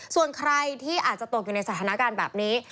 ส่วนใครที่อาจจะตกอยู่ในสถานการณ์แบบนี้